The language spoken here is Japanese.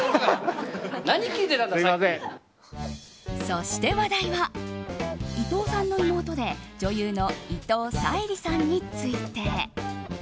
そして話題は、伊藤さんの妹で女優の伊藤沙莉さんについて。